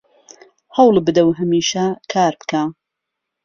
هەوڵ بدە و هەمیشە کار بکە